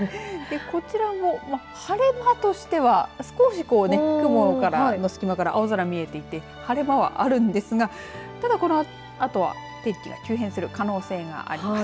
こちらも晴れ間としては少し雲の隙間から青空見えていて晴れ間はあるんですがただこのあとは天気が急変する可能性があります。